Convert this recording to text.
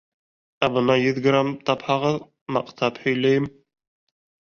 Ә бына йөҙ грамм тапһағыҙ, маҡтап һөйләйем!